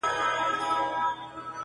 چی یې مرگ نه دی منلی په جهان کي!